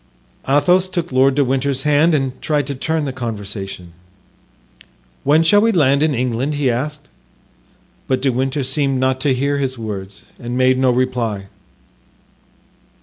Athos took Lord de Winter's hand and tried to turn the conversation. "When shall we land in England?" he asked; but De Winter seemed not to hear his words and made no reply.